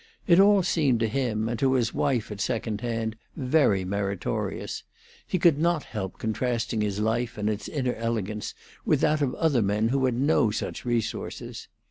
It all seemed to him, and to his wife at second hand, very meritorious; he could not help contrasting his life and its inner elegance with that of other men who had no such resources.